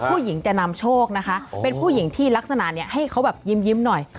ผู้หญิงจะนำโชคนะคะเป็นผู้หญิงที่ลักษณะนี้ให้เขาแบบยิ้มหน่อย